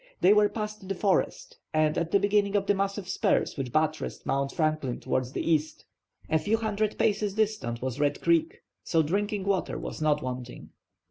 They were past the forest and at the beginning of the massive spurs which buttressed Mount Franklin towards the east. A few hundred paces distant was Red Creek; so drinking water was not wanting.